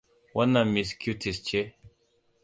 Wannan Miss Curtis ce.